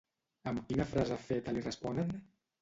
Amb quina frase feta li responen?